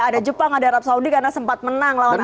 ada jepang ada arab saudi karena sempat menang lawan